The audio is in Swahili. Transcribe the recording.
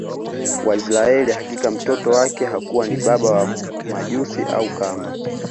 wa Israili Hakika mtoto wake hakuwa ni baba wa Majusi au kama